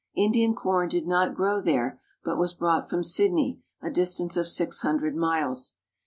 Indian corn did not grow there, but was brought from Sydney, a distance of six hundred miles.